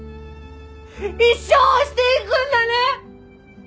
一生推していくんだね！？